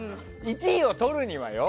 １位をとるにはよ。